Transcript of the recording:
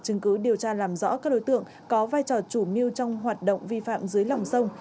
chứng cứ điều tra làm rõ các đối tượng có vai trò chủ mưu trong hoạt động vi phạm dưới lòng sông